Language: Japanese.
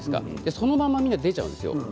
そのままみんな出ちゃうんです。